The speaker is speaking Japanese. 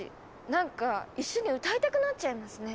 なんか一緒に歌いたくなっちゃいますね。